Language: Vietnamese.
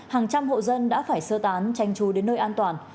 hàng trăm hộ dân đã phải sơ tán tranh chú đến nơi an toàn